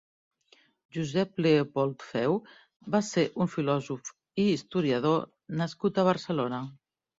Josep Leopold Feu va ser un filòsof i historiador nascut a Barcelona.